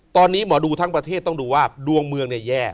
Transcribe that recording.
ตอนนี้หมอดูทั้งประเทศต้องดูว่าดวงเมืองเนี่ยแย่